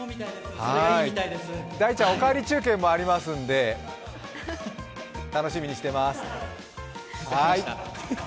大ちゃん、「おかわり中継」もありますんで楽しみにしてます。